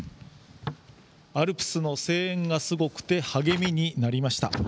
アルプスの声援がすごくて励みになりました。